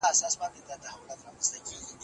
حبشي غلام په نرمه لهجه وویل چې سپی زما نه دی.